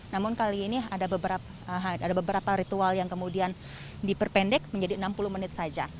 namun kali ini ada beberapa ritual yang kemudian diperpendek menjadi enam puluh menit saja